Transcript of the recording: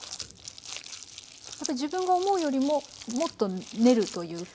やっぱり自分が思うよりももっと練るというか。